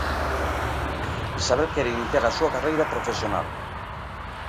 Isabel quere iniciar a súa carreira profesional.